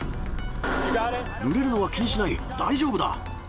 ぬれるのは気にしない、大丈夫だ。